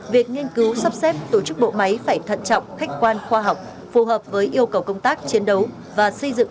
việc nghiên cứu sắp xếp tổ chức bộ máy phải thận trọng khách quan khoa học phù hợp với yêu cầu công tác chiến đấu